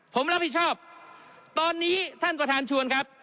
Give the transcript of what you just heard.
ผมรับผิดชอบตอนนี้ท่านประธานชวนครับ